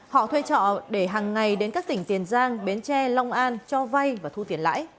họ thuê trọ để hàng ngày đến các tỉnh tiền giang bến tre long an cho vay và thu tiền lãi